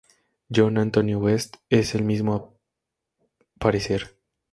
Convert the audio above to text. John Anthony West es del mismo parecer.